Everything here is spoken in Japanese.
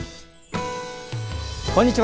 こんにちは。